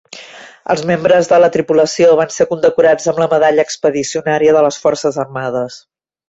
Els membres de la tripulació van ser condecorats amb la Medalla Expedicionària de les Forces Armades.